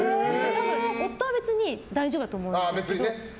多分、夫は別に大丈夫だと思うんですけど。